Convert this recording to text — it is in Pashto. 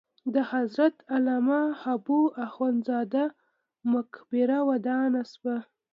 د حضرت علامه حبو اخند زاده مقبره ودانه شوه.